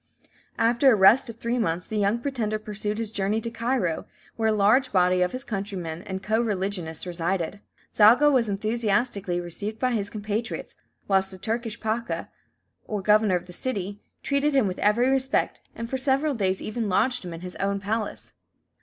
After a rest of three months, the young pretender pursued his journey to Cairo, where a large body of his countrymen and co religionists resided. Zaga was enthusiastically received by his compatriots, whilst the Turkish pacha, or governor of the city, treated him with every respect, and for several days even lodged him in his own palace.